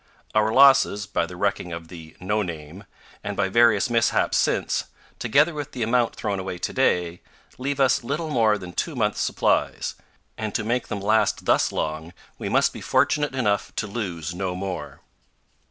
Our losses, by the wrecking of the "No Name," and by various mishaps since, together with the amount thrown away to day, leave us little more than two months' supplies, and to make them last thus long we must be fortunate enough to lose no more.